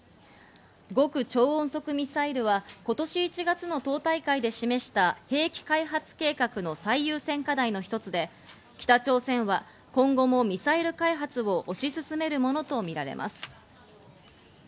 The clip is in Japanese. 極超音速ミサイルは、今年１月の党大会で示した兵器開発計画の最優先課題の一つで、北朝鮮は今後もミサイル開発を推し進めるものとみられます。